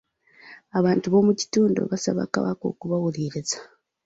Abantu b'omukitundu baasaba kabaka okubawuliriza.